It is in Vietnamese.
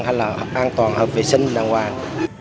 hay là an toàn hợp vệ sinh đàng hoàng